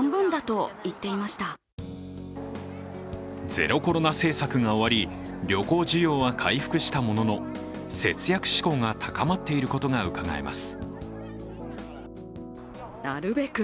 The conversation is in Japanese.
ゼロコロナ政策が終わり、旅行需要は回復したものの節約志向が高まっていることがうかがえます。